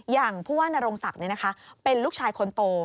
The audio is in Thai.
อย่างผู้ว่านโรงศักดิ์เป็นลูกชายคนโต